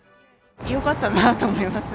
よかったなと思います。